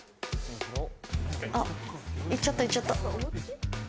あ、行っちゃった行っちゃった。